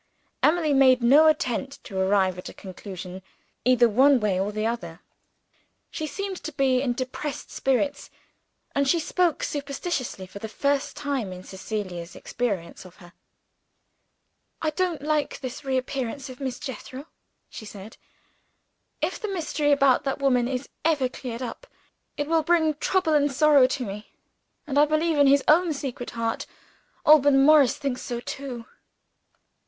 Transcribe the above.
Emily made no attempt to arrive at a conclusion, either one way or the other. She seemed to be in depressed spirits; and she spoke superstitiously, for the first time in Cecilia's experience of her. "I don't like this reappearance of Miss Jethro," she said. "If the mystery about that woman is ever cleared up, it will bring trouble and sorrow to me and I believe, in his own secret heart, Alban Morris thinks so too."